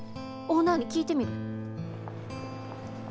オーナーに聞いてみる。